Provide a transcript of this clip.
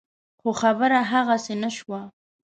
خو خبره هغسې نه شوه.